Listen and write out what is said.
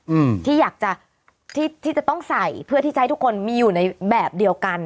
อืมที่อยากจะที่ที่จะต้องใส่เพื่อที่จะให้ทุกคนมีอยู่ในแบบเดียวกัน